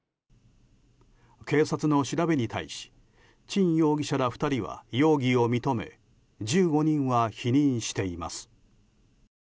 警察の調べに対しチン容疑者ら２人は容疑を認め１５人は否認しています。